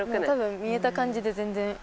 たぶん見えた感じで全然。